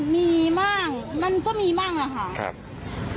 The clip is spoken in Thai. มีมากมันก็มีมากละค่ะ